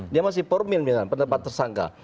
dia masih formil misalnya pendapat tersangka